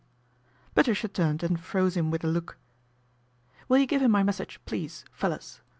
Patricia turned and froze him with a look. "Will you give him my message, please, Fellers